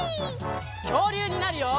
きょうりゅうになるよ！